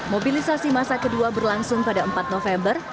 mobilisasi masa kedua berlangsung pada empat november